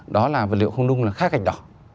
đó là vật liệu không nung là khá gạch đỏ